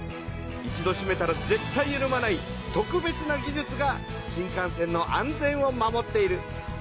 一度しめたらぜっ対ゆるまない特別な技術が新幹線の安全を守っている。